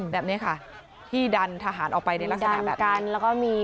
แบบนี้ค่ะที่ดันทหารออกไปในลักษณะแบบนี้